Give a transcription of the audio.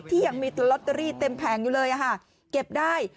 ที่ยังมีลอตเตอรี่เต็มแผงอยู่เลยเก็บได้